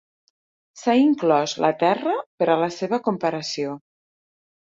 S'ha inclòs la Terra per a la seva comparació.